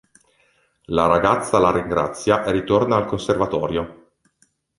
La ragazza la ringrazia e ritorna al Conservatorio.